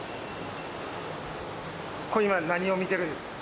これ今何を見ているんですか？